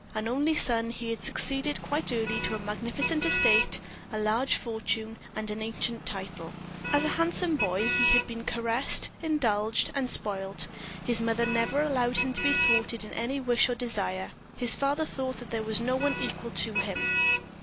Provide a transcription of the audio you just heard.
An only son, he had succeeded quite early to a magnificent estate, a large fortune, and an ancient title. As a handsome boy, he had been caressed, indulged, and spoiled; his mother never allowed him to be thwarted in any wish or desire; his father thought there was no one equal to him.